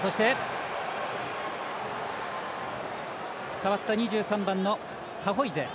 代わった２３番のカホイゼ。